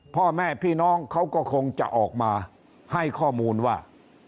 พ่อแม่พี่น้องเขาก็คงจะออกมาให้ข้อมูลว่า